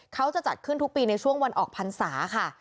เขาจะจัดขึ้นทุกปีในช่วงวันออกพรรษาค่ะ